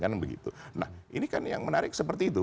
nah ini kan yang menarik seperti itu